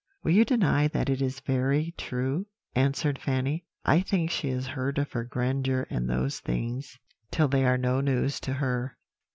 "'Will you deny that it is very true?' answered Fanny; 'I think she has heard of her grandeur and those things, till they are no news to her.'